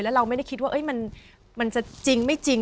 แล้วเราไม่ได้คิดว่ามันจะจริงไม่จริง